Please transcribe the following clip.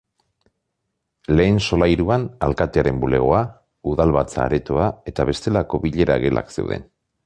Lehen solairuan, alkatearen bulegoa, udalbatza-aretoa eta bestelako bilera gelak zeuden.